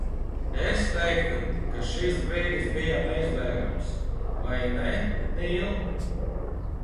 Es teiktu, ka šis brīdis bija neizbēgams, vai ne, Nīl?